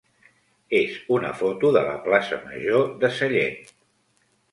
és una foto de la plaça major de Sellent.